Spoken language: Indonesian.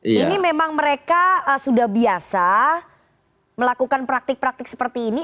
ini memang mereka sudah biasa melakukan praktik praktik seperti ini